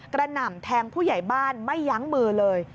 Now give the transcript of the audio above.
หน่ำแทงผู้ใหญ่บ้านไม่ยั้งมือเลย